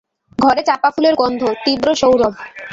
ঘরে চাঁপা ফুলের গন্ধ, তীব্র সৌরভ।